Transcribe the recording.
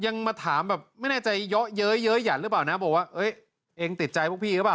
ยังมาถามแบบไม่ในใจเยอะอย่างหรือเปล่านะบอกว่าอัยยเอ็งติดใจพวกพี่นะหรือเปล่า